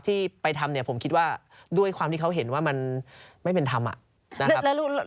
ที่ไปทำเนี่ยผมคิดว่าด้วยความที่เขาเห็นว่ามันไม่เป็นธรรม